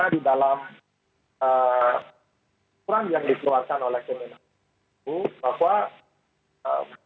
jadi ini sebuah kewajiban kami sebagai operator pemerintah